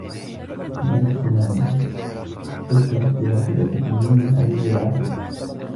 الآنسة ماري اُسرت بواسطة تنين قوي يدعي توم.